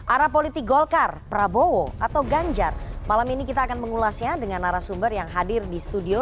arah politik golkar prabowo atau ganjar malam ini kita akan mengulasnya dengan arah sumber yang hadir di studio